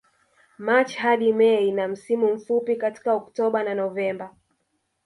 Machi hadi Mei na msimu mfupi katika Oktoba na Novemba